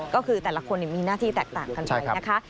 ก็คือแต่ละคนมีหน้าที่แตกต่างกันไปนะคะ